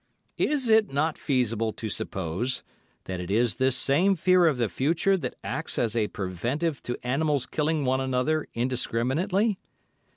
Is it not feasible to suppose that it is this same fear of the future that acts as a preventive to animals killing one another indiscriminately?